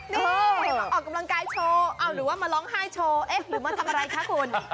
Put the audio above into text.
นี่มาออกกำลังกายโชว์หรือว่ามาร้องไห้โชว์เอ๊ะหรือมาทำอะไรคะคุณ